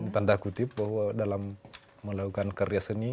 tanda kutip bahwa dalam melakukan karya seni